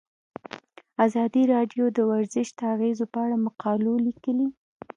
ازادي راډیو د ورزش د اغیزو په اړه مقالو لیکلي.